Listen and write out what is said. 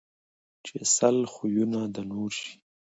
ـ چې سل خويه د نور شي